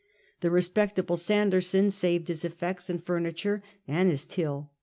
The respectable Sanderson saved his effects and fuimiture, and his till.